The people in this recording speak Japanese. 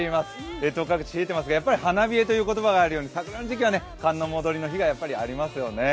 列島各地冷えていますが、やっぱり花冷えという言葉があるように桜の時期は寒の戻りがありますね。